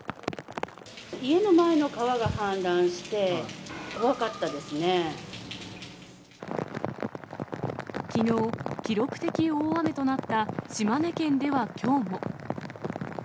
家の前の川が氾濫して、きのう、記録的大雨となった島根県ではきょうも。